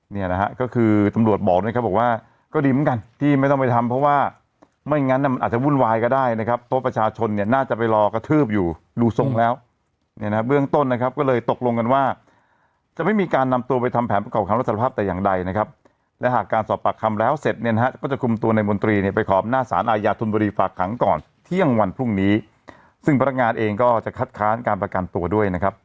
เนี่ยนะฮะก็คือตำรวจบอกนะครับว่าก็ดีเหมือนกันที่ไม่ต้องไปทำเพราะว่าไม่งั้นมันอาจจะวุ่นวายก็ได้นะครับโต๊ะประชาชนเนี่ยน่าจะไปรอกระทืบอยู่รูสงแล้วเนี่ยนะเบื้องต้นนะครับก็เลยตกลงกันว่าจะไม่มีการนำตัวไปทำแผนประกอบการรักษารภาพแต่อย่างใดนะครับและหากการสอบปากคำแล้วเสร็จเนี่ยนะฮะก็จะคุ